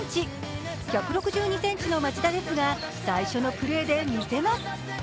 １６２ｃｍの町田ですが、最初のプレーで見せます。